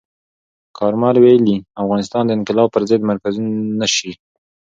کارمل ویلي، افغانستان د انقلاب پر ضد مرکز نه شي.